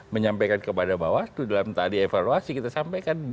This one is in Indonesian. menyampaikan kepada bawaslu dalam tadi evaluasi kita sampaikan